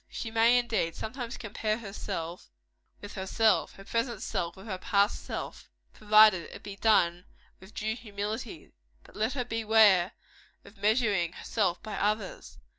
She may, indeed, sometimes compare herself with herself her present self with her past self provided it be done with due humility; but let her beware of measuring herself by others.